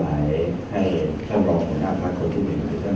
เดี๋ยวตอนนี้ท่านบุญภาคทุกคนมากขึ้น